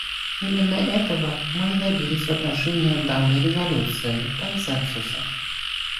Именно этого мы и добились в отношении данной резолюции — консенсуса.